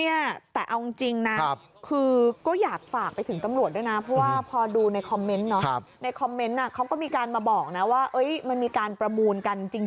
เนี่ยแต่เอาจริงนะคือก็อยากฝากไปถึงตำรวจด้วยนะเพราะว่าพอดูในคอมเมนต์เนาะในคอมเมนต์เขาก็มีการมาบอกนะว่ามันมีการประมูลกันจริง